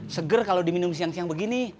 seger kalau diminum siang siang begini